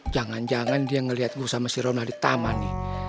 jangan jangan dia ngeliat gue sama si ronald di taman nih